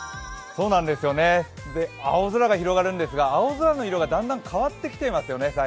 青空が広がるんですが青空の色が最近変わってきていますね。